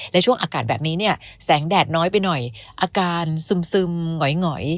และช่วงอากาศแบบนี้เนี่ยแสงแดดน้อยไปหน่อยอาการซึมหงอย